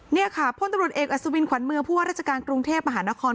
นี่ค่ะพลตำรวจเอกอัศวินขวัญเมืองผู้ว่าราชการกรุงเทพมหานคร